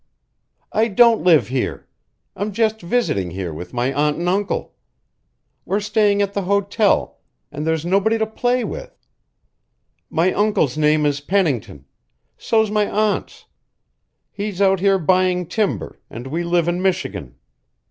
"I don't live here. I'm just visiting here with my aunt and uncle. We're staying at the hotel, and there's nobody to play with. My uncle's name is Pennington. So's my aunt's. He's out here buying timber, and we live in Michigan.